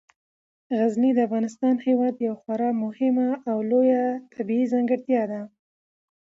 غزني د افغانستان هیواد یوه خورا مهمه او لویه طبیعي ځانګړتیا ده.